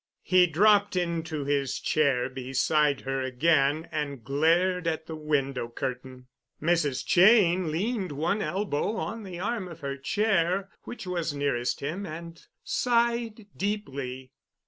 He dropped into his chair beside her again and glared at the window curtain. Mrs. Cheyne leaned one elbow on the arm of her chair which was nearest him and sighed deeply.